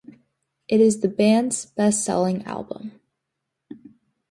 It is the band's best selling album.